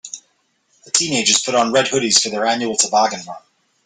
The teenagers put on red hoodies for their annual toboggan run.